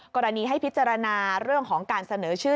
กรณีให้พิจารณาเรื่องของการเสนอชื่อ